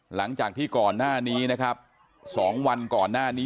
หลังจากที่ก่อนหน้านี้นะครับ๒วันก่อนหน้านี้